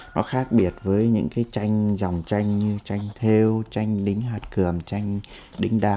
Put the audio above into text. nó khác biệt với những cái tranh dòng tranh như tranh theo tranh đính hạt cường tranh đính đá